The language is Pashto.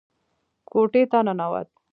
کوټې ته ننوت.